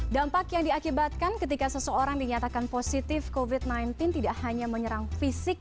dampak yang diakibatkan ketika seseorang dinyatakan positif covid sembilan belas tidak hanya menyerang fisik